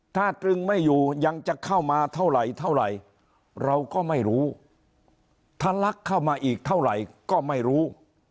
ถ้าตรึงไม่อยู่ยังจะเข้ามาเท่าไหร่เท่าไหร่เราก็ไม่รู้ถ้าลักเข้ามาอีกเท่าไหร่ก็ไม่รู้